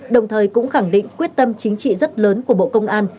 đồng thời cũng khẳng định quyết tâm chính trị rất lớn của bộ công an